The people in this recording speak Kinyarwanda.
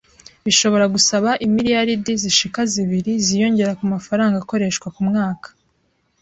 bishobora gusaba imiliyaridi zishika zibiri ziyongera ku mafaranga akoreshwa ku mwaka.